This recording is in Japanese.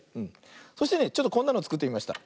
そしてねちょっとこんなのつくってみました。